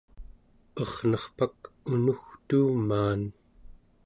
ernerpak unugtuumaan